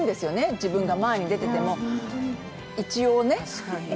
自分が前に出てても、一応ね。